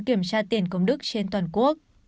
kiểm tra tiền công đức trên toàn quốc